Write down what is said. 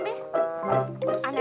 aneh aneh aja ya